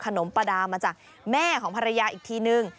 ขนมปลาดามาจากแม่ของภรรยาอีกทีนึง